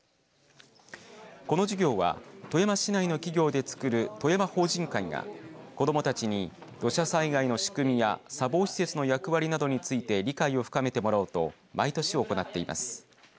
この授業は富山市内の企業でつくる富山法人会が子どもたちに土砂災害の仕組みや砂防施設の役割などについて理解を深めてもらおうと毎年行っています。